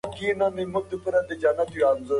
د زراعت په برخه کې نوې ټیکنالوژي ډیره په ګټه ده.